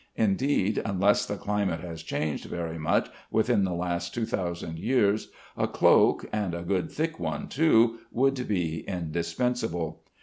Indeed, unless the climate has changed very much within the last two thousand years, a cloak, (and a good thick one too) would be indispensable.